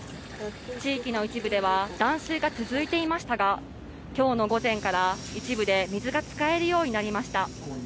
地域の一部では断水が続いていましたが、きょうの午前から一部で水が使えるようになりました。